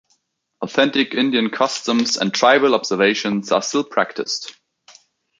Authentic Indian customs and tribal observations are still practiced.